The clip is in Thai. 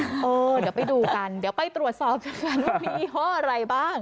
เดี๋ยวไปดูกันเดี๋ยวไปตรวจสอบกันว่ายี่ห้ออะไรบ้าง